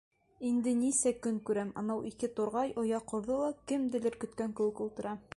Инде нисә көн күрәм: анау ике турғай оя ҡорҙо ла кемделер көткән кеүек ултыра.